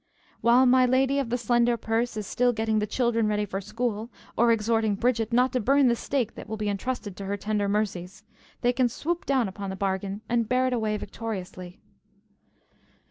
While my lady of the slender purse is still getting the children ready for school, or exhorting Bridget not to burn the steak that will be entrusted to her tender mercies, they can swoop down upon a bargain and bear it away victoriously.